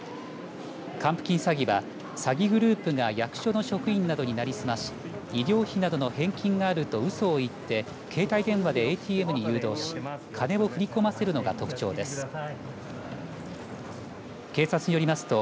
還付金詐欺は、詐欺グループが役所の職員などに成りすまし医療費などの返金があるとうそを言って携帯電話でＡＴＭに誘導し金を振り込ませるのが特徴です。